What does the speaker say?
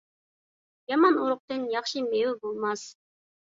يامان ئۇرۇقتىن ياخشى مېۋە بولماس.